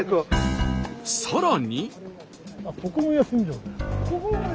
さらに。